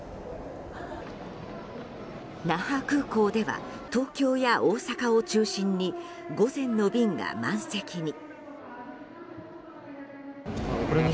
那覇空港では東京や大阪を中心に午前の便が満席に。